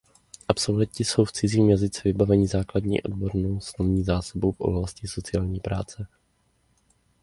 Absolventi jsou v cizím jazyce vybaveni základní odbornou slovní zásobou v oblasti sociální práce.